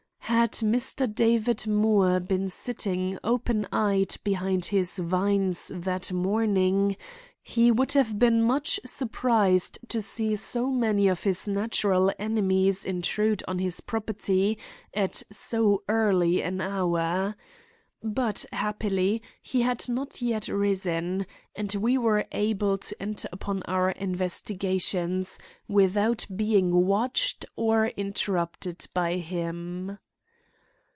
Had Mr. David Moore been sitting open eyed behind his vines that morning, he would have been much surprised to see so many of his natural enemies intrude on his property at so early an hour. But, happily, he had not yet risen, and we were able to enter upon our investigations without being watched or interrupted by him.